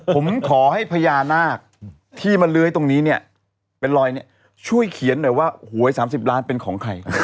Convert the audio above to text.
ผมขอให้พญานาคที่มาเลื้อยตรงนี้เนี่ยเป็นรอยเนี่ยช่วยเขียนหน่อยว่าหวย๓๐ล้านเป็นของใคร